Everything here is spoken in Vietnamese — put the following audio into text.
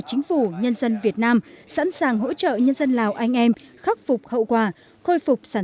chính phủ nhân dân việt nam sẵn sàng hỗ trợ nhân dân lào anh em khắc phục hậu quả khôi phục sản